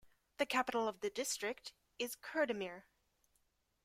The capital of the district is Kurdamir.